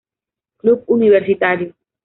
Club universitario.